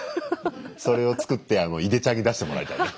それを作っていでちゃんに出してもらいたいね。